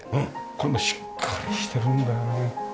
これもしっかりしてるんだよな。